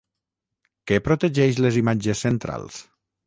Què protegeix les imatges centrals?